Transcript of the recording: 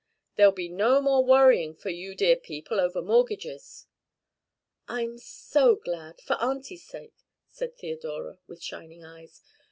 There'll be no more worrying for you dear people over mortgages." "I'm so glad for Auntie's sake," said Theodora, with shining eyes.